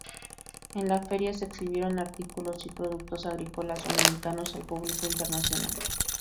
En la feria se exhibieron artículos y productos agrícolas dominicanos al público internacional.